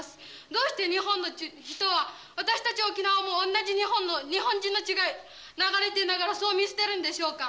どうして日本の人は、私たち沖縄も同じ日本人の血が流れていながら、そう見捨てるんでしょうか。